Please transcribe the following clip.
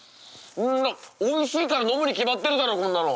んなおいしいから飲むに決まってるだろこんなの！